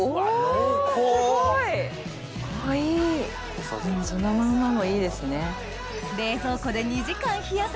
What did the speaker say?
濃いそのまんまもいいですね。